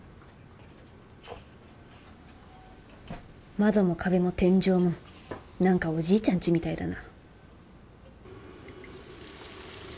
窓も壁も天井もなんかおじいちゃんちみたいだな